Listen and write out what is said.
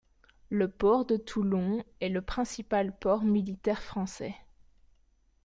Le port de Toulon est le principal port militaire français.